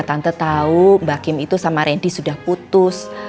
tante tau mbak kim itu sama rendy sudah putus